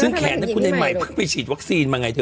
ซึ่งแขนนั้นคุณไอ้ใหม่เพิ่งไปฉีดวัคซีนมาไงเธอ